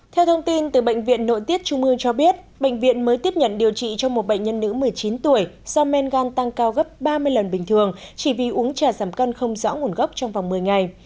theo thông tin từ bệnh viện nội tiết trung ương cho biết bệnh viện mới tiếp nhận điều trị cho một bệnh nhân nữ một mươi chín tuổi do men gan tăng cao gấp ba mươi lần bình thường chỉ vì uống trà giảm cân không rõ nguồn gốc trong vòng một mươi ngày